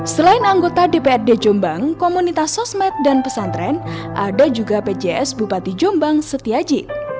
selain anggota dprd jombang komunitas sosmed dan pesantren ada juga pjs bupati jombang setiaji